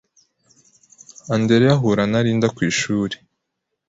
Andereya ahura na Linda ku ishuri.